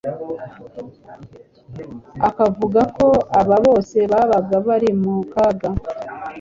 Akavuga ko aba bose babaga bari mu kaga